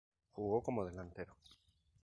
Jugó como delantero.